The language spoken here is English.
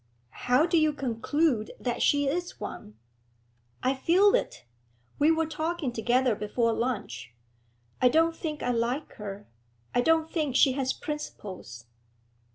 'How do you conclude that she is one?' 'I feel it; we were talking together before lunch. I don't think I like her; I don't think she has principles.'